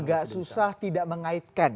agak susah tidak mengaitkan